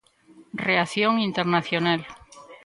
Reacción internacional.